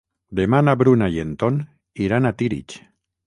Demà na Bruna i en Ton iran a Tírig.